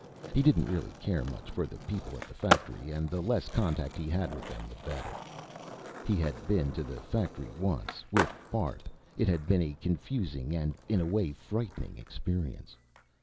He didn't really care much for the people at the factory and the less contact he had with them, the better. He had been to the factory once, with Barth; it had been a confusing and, in a way, a frightening experience.